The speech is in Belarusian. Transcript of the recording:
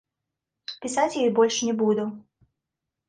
Пісаць ёй больш не буду.